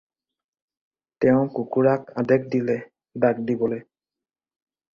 তেওঁ কুকুৰাক আদেশ দিলে, ডাক দিবলৈ।